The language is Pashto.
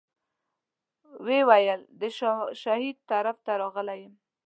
ویې ویل د شاه شهید طرف ته راغلی یم.